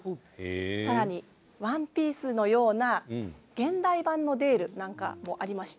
さらにワンピースのような現代版のデールなんかもあります。